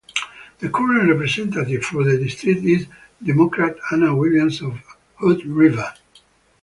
The current representative for the district is Democrat Anna Williams of Hood River.